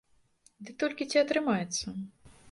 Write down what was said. Ды толькі ці атрымаецца?